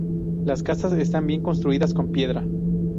Las casas están bien construidas con piedra.